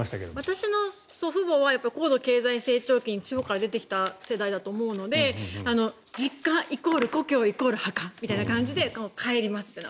私の祖父母は高度経済成長期に地方から出てきた世代だと思うので実家イコール故郷イコール墓みたいな感じで帰りますみたいな。